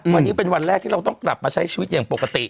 วันนี้เป็นวันแรกที่เราต้องกลับมาใช้ชีวิตอย่างปกติ